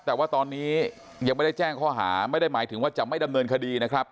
แต่ว่าตอนนี้ยังไม่ได้แจ้งข้อหาไม่ได้หมายถึงว่าจะไม่ดำเนินคดีนะครับ